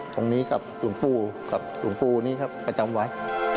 ทองค์นี้กับหลวงปู่นี้ประจำไว้